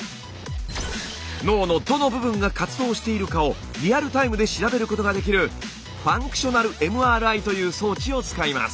脳のどの部分が活動しているかをリアルタイムで調べることができるファンクショナルＭＲＩという装置を使います。